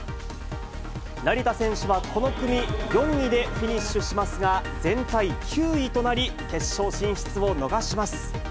成田選手はこの組４位でフィニッシュしますが、全体９位となり、決勝進出を逃します。